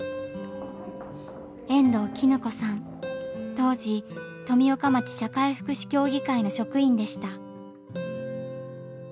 当時富岡町社会福祉協議会の職員でした。